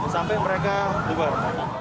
sampai mereka bubar